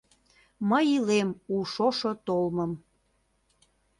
Мый илем у шошо толмым